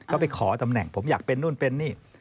ก็ไปขอตำแหน่งผมอยากเป็นนู่นเป็นนี่